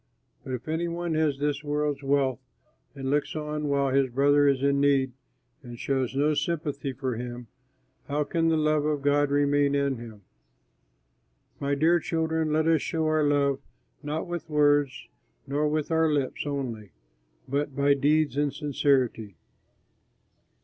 But if any one has this world's wealth and looks on while his brother is in need and shows no sympathy for him, how can the love of God remain in him? My dear children, let us show our love not with words nor with our lips only, but by deeds and sincerity.